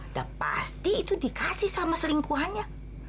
udah pasti itu dikasih sama selingkuhannya